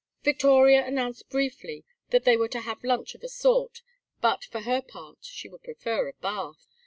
Victoria announced briefly that they were to have lunch of a sort, but for her part she would prefer a bath.